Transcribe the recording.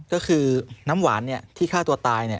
ก็คือน้ำหวานที่ฆ่าตัวตาย